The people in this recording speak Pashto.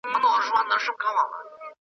ستا پر لوري د اسمان سترګي ړندې دي .